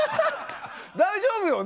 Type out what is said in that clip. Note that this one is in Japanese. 大丈夫よね？